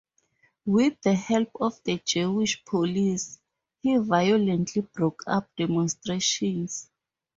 With the help of the Jewish police, he violently broke up demonstrations.